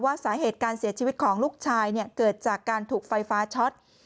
สาเหตุการเสียชีวิตของลูกชายเกิดจากการถูกไฟฟ้าช็อต